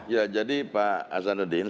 ya jadi pak azanuddin